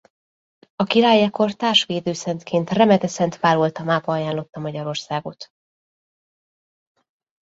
A király ekkor társ-védőszentként Remete Szent Pál oltalmába ajánlotta Magyarországot.